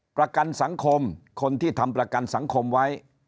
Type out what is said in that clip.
ประกันสังคมคนที่ทำประกันสังคมไว้